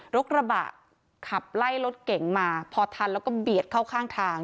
รถกระบะขับไล่รถเก๋งมาพอทันแล้วก็เบียดเข้าข้างทาง